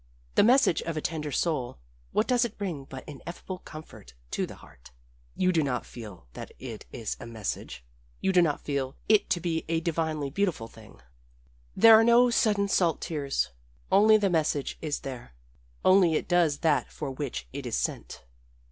The message of a tender soul what does it bring but ineffable comfort to the heart? You do not feel that it is a message, you do not feel it to be a divinely beautiful thing. There are no sudden salt tears. Only the message is there only it does that for which it is sent.